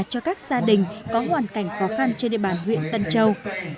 cho các gia đình có hoàn cảnh khó khăn trên địa bàn huyện tân châu